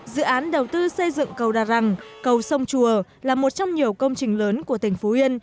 dự án đầu tư xây dựng cầu đà răng cầu sông chùa là một trong nhiều công trình lớn của tỉnh phú yên